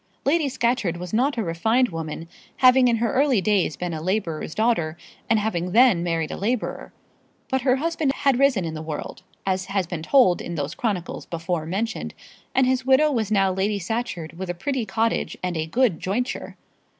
Lady Scatcherd was not a refined woman, having in her early days been a labourer's daughter and having then married a labourer. But her husband had risen in the world as has been told in those chronicles before mentioned, and his widow was now Lady Scatcherd with a pretty cottage and a good jointure.